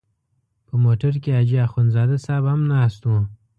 په موټر کې حاجي اخندزاده صاحب هم ناست و.